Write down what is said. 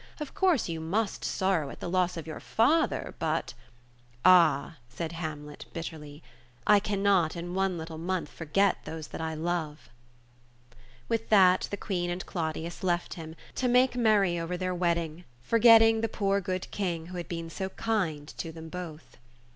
Of course you must sorrow at the loss of your father, but —" "Ah," said Hamlet, bitterly, "I cannot in one little month forget those I love." With that the Queen and Claudius left him, to make merry over their wedding, forgetting the poor good King who had been so kind to them both.